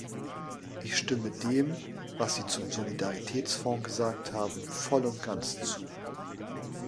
Ich stimme dem, was Sie zum Solidaritätsfonds gesagt haben, voll und ganz zu.